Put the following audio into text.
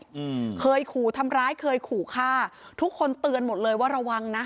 อืมเคยขู่ทำร้ายเคยขู่ฆ่าทุกคนเตือนหมดเลยว่าระวังนะ